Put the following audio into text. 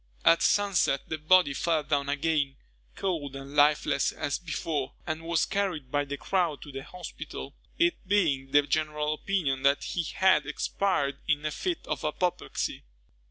At sunset, the body fell down again, cold and lifeless as before, and was carried by the crowd to the hospital, it being the general opinion that he had expired in a fit of apoplexy.